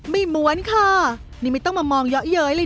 ไม่ม้วนค่ะนี่ไม่ต้องมามองเยอะเลยนะ